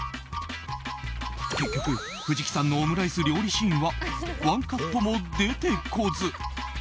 結局、藤木さんのオムライス料理シーンはワンカットも出てこず。